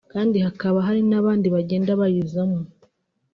kandi hakaba hari n’abandi bagenda bayizamo